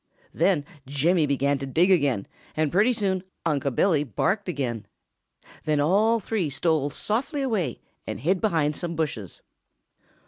Then Jimmy began to dig again, and pretty soon Unc' Billy barked again. Then all three stole softly away and hid behind some bushes.